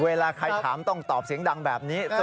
เวลาใครถามต้องตอบเสียงดังแบบนี้